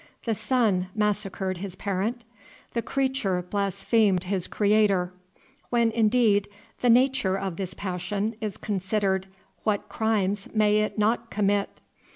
the son massacred his parent? the creature blasphemed his Creator. When, indeed, the nature of this passion is considered what crimes may it not commit?